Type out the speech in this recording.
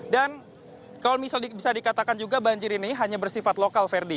dan kalau bisa dikatakan juga banjir ini hanya bersifat lokal verdi